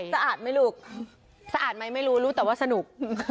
สะอาดไหมลูกสะอาดไหมไม่รู้รู้แต่ว่าสนุก